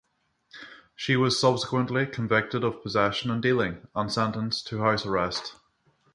She was subsequently convicted of possession and dealing and sentenced to house arrest.